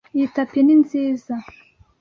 Iyi tapi ni nziza.